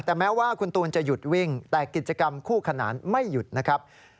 แต่แม้ว่าคุณตูนจะหยุดวิ่งแต่กิจกรรมคู่ขนานไม่หยุดนะครับ